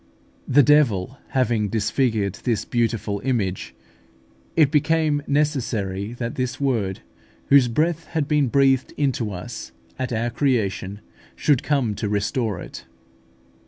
The devil having disfigured this beautiful image, it became necessary that this same Word, whose breath had been breathed into us at our creation, should come to restore it.